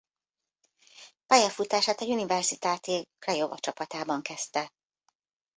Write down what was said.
Pályafutását az Universitatea Craiova csapatában kezdte.